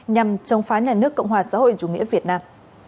nhằm chống phá nhà nước cộng hòa xã hội chủ nghĩa việt nam